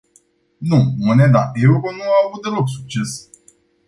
Nu, moneda euro nu a avut deloc succes.